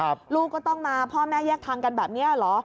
ลูกก็ต้องมาพ่อแม่แยกทางกันแบบเนี้ยเหรอ